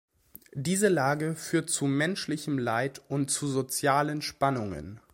Diese Lage führt zu menschlichem Leid und zu sozialen Spannungen.